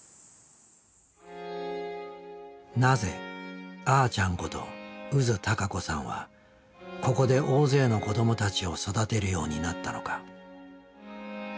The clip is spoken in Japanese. なぜあーちゃんこと宇津孝子さんはここで大勢の子どもたちを育てるようになったのか。